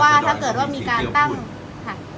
ก็จะให้ทำอย่างไร